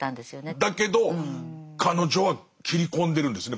だけど彼女は切り込んでるんですね